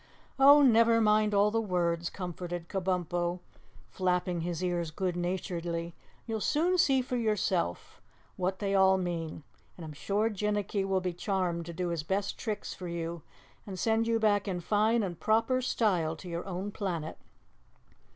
"Oh, never mind all the words," comforted Kabumpo, flapping his ears good naturedly, "you'll soon see for yourself what they all mean, and I'm sure Jinnicky will be charmed to do his best tricks for you and send you back in fine and proper style to your own planet."